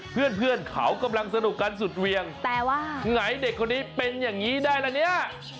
เพื่อนเพื่อนเขากำลังสนุกกันสุดเวียงแต่ว่าไงเด็กคนนี้เป็นอย่างนี้ได้ละเนี่ย